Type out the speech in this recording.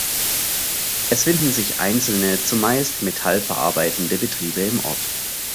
Es finden sich einzelne, zumeist metallverarbeitende Betriebe im Ort.